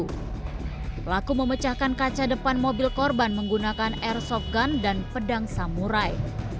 pelaku memecahkan kaca depan mobil korban menggunakan airsoft gun dan pedang samurai